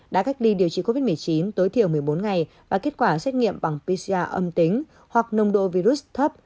đã cách ly điều trị covid một mươi chín tối thiểu một mươi bốn ngày và kết quả xét nghiệm bằng pcr âm tính hoặc nồng độ virus thấp